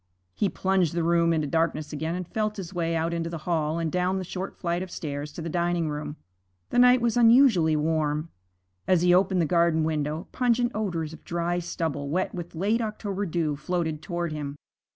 He plunged the room into darkness again and felt his way out into the hall and down the short flight of stairs to the dining room. The night was unusually warm. As he opened the garden window, pungent odors of dry stubble wet with a late October dew floated toward him.